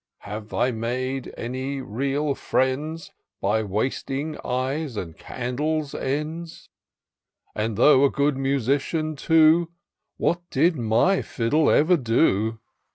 Have I made any real friends. By wasting eyes and candles' ends ? And though a good musician too, What did my fiddle ever do